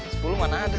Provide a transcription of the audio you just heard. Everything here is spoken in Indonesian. sepuluh mana ada